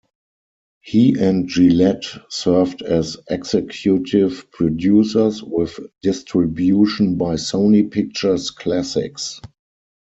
He and Jillette served as executive producers, with distribution by Sony Pictures Classics.